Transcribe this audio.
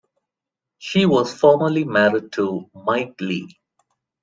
She was also formerly married to Mike Lee.